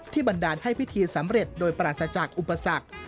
บันดาลให้พิธีสำเร็จโดยปราศจากอุปสรรค